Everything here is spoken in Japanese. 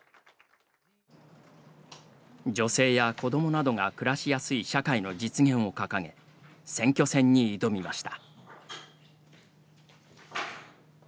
女性や子どもなどが暮らしやすい社会の実現を掲げ選挙戦に挑みました。